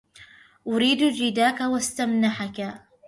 أريد جداك وأستمنحك